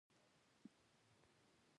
مناسبه خندا او مناسب خوب د هر شي لپاره.